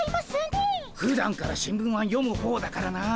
ふだんから新聞は読む方だからな。